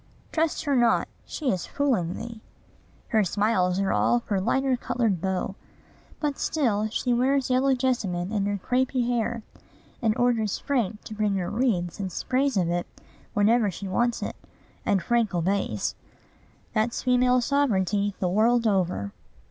"Trust her not: she is fooling thee." Her smiles are all for lighter colored beaux. But still she wears yellow jessamine in her crapy hair, and orders Frank to bring her wreaths and sprays of it whenever she wants it; and Frank obeys. That's female sovereignty, the world over!